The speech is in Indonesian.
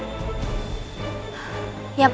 aku akan menangkapnya